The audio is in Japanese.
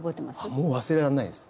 もう忘れられないです。